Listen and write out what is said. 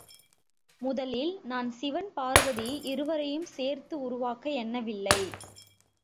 முதலில் நான் சிவன் பார்வதி இருவரையும் சேர்த்து உருவாக்க எண்ணவில்லை.